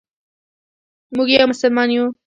موږ یو مسلمان یو.